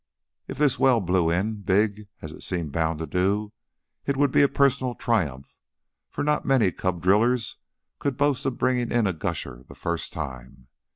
If this well blew in big, as it seemed bound to do, it would be a personal triumph, for not many cub drillers could boast of bringing in a gusher the first time.